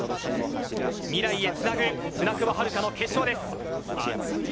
未来へつなぐ舟久保遥香の決勝です。